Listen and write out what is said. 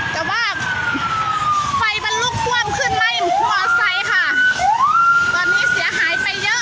แต่ว่าไฟมันลุกท่วมขึ้นไหม้มอไซค์ค่ะตอนนี้เสียหายไปเยอะ